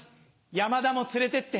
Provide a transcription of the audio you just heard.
山田も連れてって。